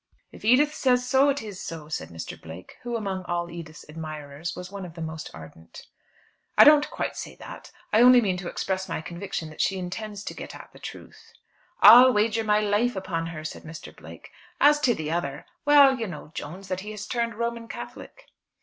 "If Edith says so, it is so," said Mr. Blake, who among all Edith's admirers was one of the most ardent. "I don't quite say that. I only mean to express my conviction that she intends to get at the truth." "I'll wager my life upon her," said Mr. Blake. "As to the other; well, you know, Jones, that he has turned Roman Catholic."